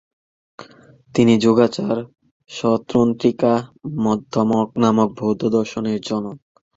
তিনি যোগাচার-স্বতন্ত্রিকা-মধ্যমক নামক বৌদ্ধ দর্শনের জনক।